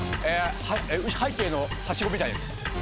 背景のはしごみたいなやつ。